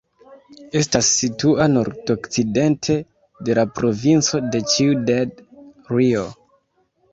Estas situa nordokcidente de la provinco de Ciudad Real.